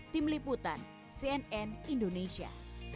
tim liputan cnn indonesia